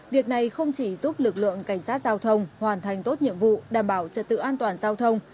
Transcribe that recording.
việc này không chỉ giúp lực lượng cảnh sát giao thông hoàn thành tốt nhiệm vụ đảm bảo trật tự an toàn giao thông